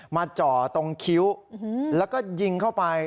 จ่อตรงคิ้วแล้วก็ยิงเข้าไป